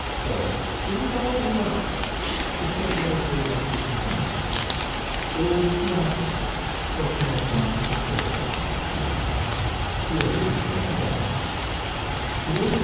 Or it is all right, except what I say about the Christian Scientists, or the Theosophists, or perhaps one particular sect of the Theosophists, who are different from the others.